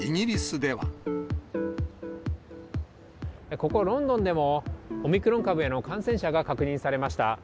ここ、ロンドンでも、オミクロン株への感染者が確認されました。